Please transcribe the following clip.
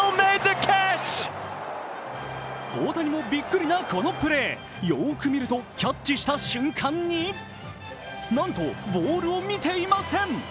大谷もびっくりなこのプレー、よーく見ると、キャッチした瞬間に、なんとボールを見ていません。